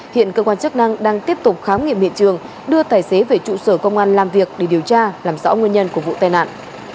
hiện cơ quan chức năng đang tiếp tục khám nghiệm hiện trường đưa tài xế về trụ sở công an làm việc để điều tra làm rõ nguyên nhân của vụ tai nạn